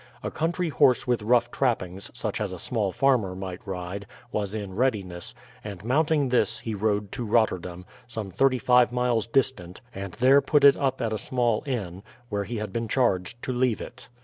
A country horse with rough trappings, such as a small farmer might ride, was in readiness, and mounting this he rode to Rotterdam, some thirty five miles distant, and there put it up at a small inn, where he had been charged to leave it.